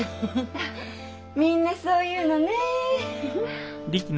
みんなそう言うのねえ。